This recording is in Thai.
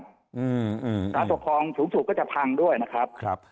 การปกครองสูงสุดก็จะพังด้วยนะครับ